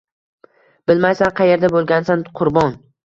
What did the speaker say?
Bilmaysan qayerda bo‘lgansan qurbon.